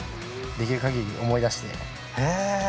できるかぎり思い出して書く。